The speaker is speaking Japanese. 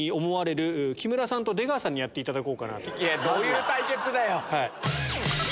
どういう対決だよ